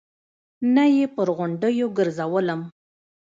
نه يې پر غونډيو ګرځولم.